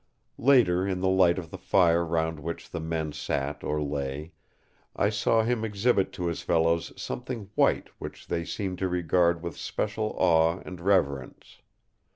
"Later, in the light of the fire round which the men sat or lay, I saw him exhibit to his fellows something white which they seemed to regard with special awe and reverence.